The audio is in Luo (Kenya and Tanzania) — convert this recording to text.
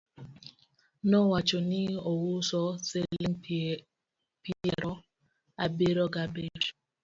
nowacho ni ouso siling piero abirio ga bich